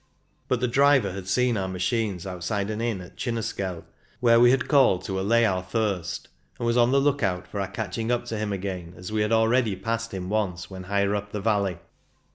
But the driver had seen our machines outside an inn at Cinuskel, where we had called to allay our thirst, and was on the look out for our catching up to him again, as we had already passed him once when higher up the valley.